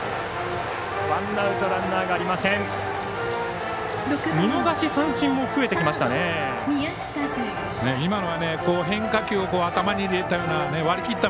ワンアウトランナーがありません。